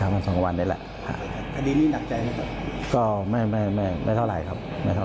ไม่เท่าไหร่ครับ